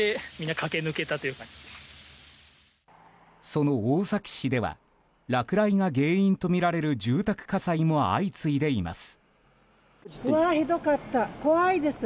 その大崎市では落雷が原因とみられる住宅火災も相次いでいます。